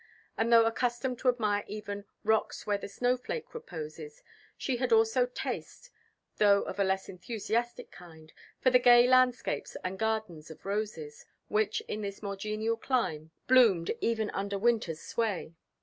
And though accustomed to admire even "rocks where the snowflake reposes;" she had also taste, though of a less enthusiastic kind, for the "gay landscapes and gardens of roses," which, in this more genial clime, bloomed even under winter's sway.